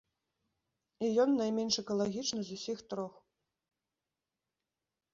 І ён найменш экалагічны з усіх трох.